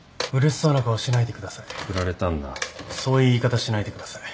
そういう言い方しないでください。